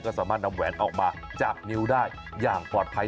ก็สามารถนำแหวนออกมาจากนิ้วได้อย่างปลอดภัย